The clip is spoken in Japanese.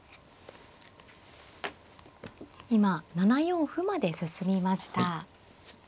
今７四歩まで進みました。